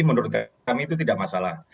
menurut kami itu tidak masalah